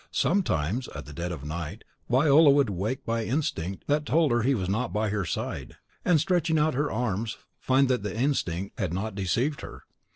Sometimes, at the dead of night, Viola would wake by an instinct that told her he was not by her side, and, stretching out her arms, find that the instinct had not deceived her.